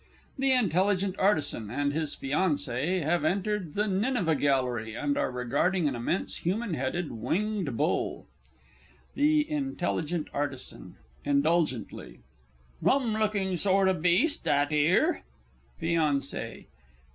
THE INTELLIGENT ARTISAN and his FIANCÉE have entered the Nineveh Gallery, and are regarding an immense human headed, winged bull. THE I. A. (indulgently). Rum looking sort o' beast that 'ere. FIANCÉE.